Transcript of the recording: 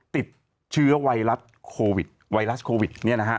ติดเชื้อไวรัสโควิดไวรัสโควิดเนี่ยนะฮะ